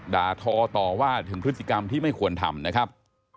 ด่าทอต่อว่าถึงพฤติกรรมที่ไม่ควรทำนะครับ